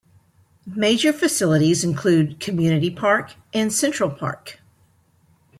Major facilities include Community Park, and Central Park.